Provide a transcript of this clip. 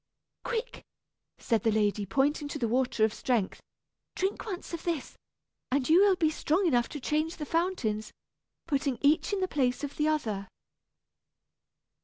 "Quick!" said the lady, pointing to the water of strength; "drink once of this, and you will be strong enough to change the fountains, putting each in the place of the other."